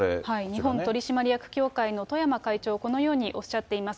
日本取締役協会の冨山会長、このようにおっしゃっています。